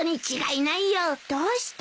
どうして？